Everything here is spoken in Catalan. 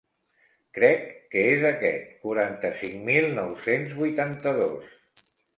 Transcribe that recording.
Crec que és aquest quaranta-cinc mil nou-cents vuitanta-dos.